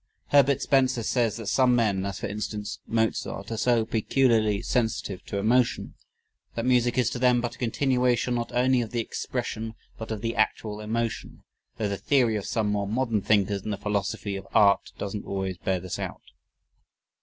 Herbert Spencer says that some men, as for instance Mozart, are so peculiarly sensitive to emotion ... that music is to them but a continuation not only of the expression but of the actual emotion, though the theory of some more modern thinkers in the philosophy of art doesn't always bear this out.